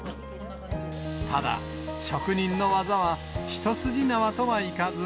ただ、職人の技は一筋縄とはいかず。